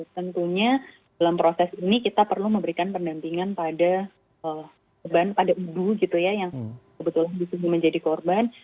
tentunya dalam proses ini kita perlu memberikan pendampingan pada beban pada ibu gitu ya yang kebetulan di sini menjadi korban